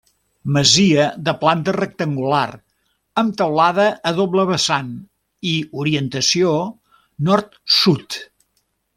Masia de planta rectangular, amb teulada a doble vessant i amb orientació nord-sud.